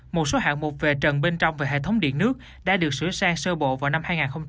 một số hạng mục về trần bên trong và hệ thống điện nước đã được sửa sang sơ bộ vào năm hai nghìn hai mươi